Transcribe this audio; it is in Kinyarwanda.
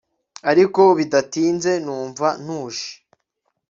Ariko bidatinze numva ntuje